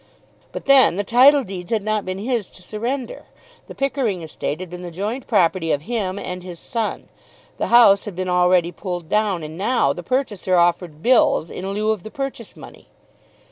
But then the title deeds had not been his to surrender. The Pickering estate had been the joint property of him and his son. The house had been already pulled down, and now the purchaser offered bills in lieu of the purchase money!